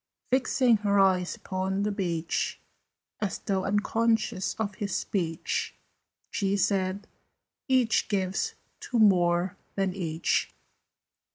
Fixing her eyes upon the beach, As though unconscious of his speech, She said "Each gives to more than each."